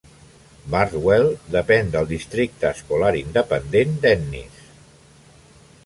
Bardwell depèn del districte escolar independent d'Ennis.